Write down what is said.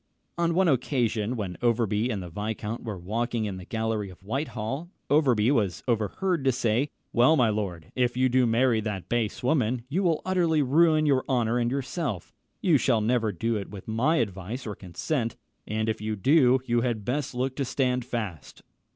On one occasion, when Overbury and the viscount were walking in the gallery of Whitehall, Overbury was overheard to say, "Well, my lord, if you do marry that base woman, you will utterly ruin your honour and yourself. You shall never do it with my advice or consent; and if you do, you had best look to stand fast."